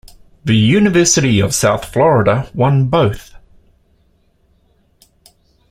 The University of South Florida won both.